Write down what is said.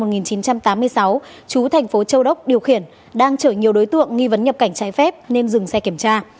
công an tỉnh an giang thành phố châu đốc điều khiển đang chở nhiều đối tượng nghi vấn nhập cảnh trái phép nên dừng xe kiểm tra